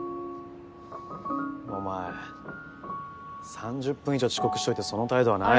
お前３０分以上遅刻しといてその態度はないだろ。